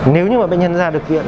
nếu như mà bệnh nhân ra được viện